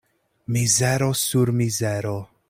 Mizero sur mizero.